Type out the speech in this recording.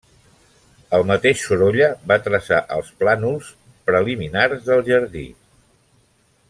El mateix Sorolla va traçar els plànols preliminars del jardí.